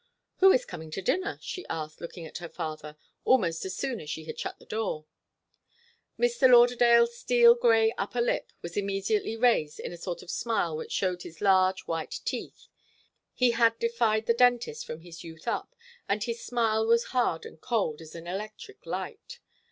"Who is coming to dinner?" she asked, looking at her father, almost as soon as she had shut the door. Mr. Lauderdale's steel grey upper lip was immediately raised in a sort of smile which showed his large white teeth he had defied the dentist from his youth up, and his smile was hard and cold as an electric light.